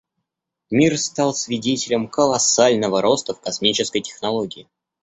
Мир стал свидетелем колоссального роста в космической технологии.